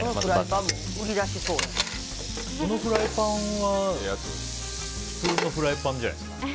このフライパンは普通のフライパンですか？